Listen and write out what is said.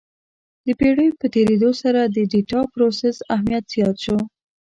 د پېړیو په تېرېدو سره د ډیټا پروسس اهمیت زیات شو.